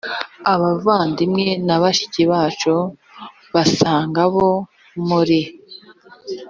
abavandimwe na bashiki bacu basaga bo muri